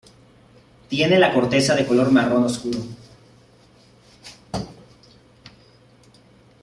Tiene la corteza de color marrón oscuro.